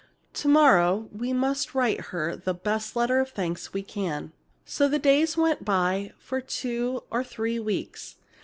To morrow we must write her the best letter of thanks we can." So the days went by for two or three weeks.